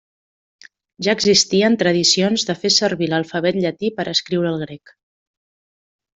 Ja existien tradicions de fer servir l'alfabet llatí per a escriure el grec.